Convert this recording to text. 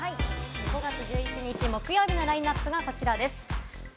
５月１１日木曜日のラインナップがこちらです。